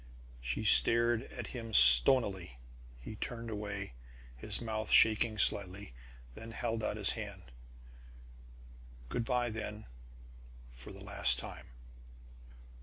She stared at him stonily. He turned away, his mouth shaking slightly, then held out his hand. "Good by, then, for the last time!"